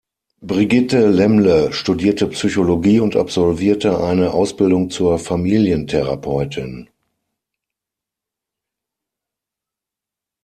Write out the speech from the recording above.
Brigitte Lämmle studierte Psychologie und absolvierte eine Ausbildung zur Familientherapeutin.